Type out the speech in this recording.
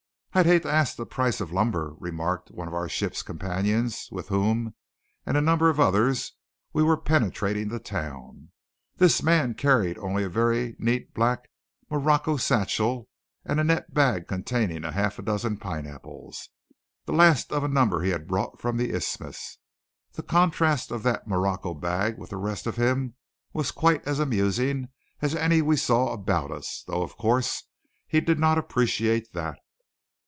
"I'd hate to ask the price of lumber," remarked one of our ship's companions, with whom and a number of others we were penetrating the town. This man carried only a very neat black morocco satchel and a net bag containing a half dozen pineapples, the last of a number he had brought from the Isthmus. The contrast of that morocco bag with the rest of him was quite as amusing as any we saw about us; though, of course, he did not appreciate that.